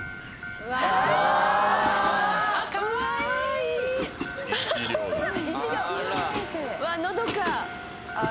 うわっのどか。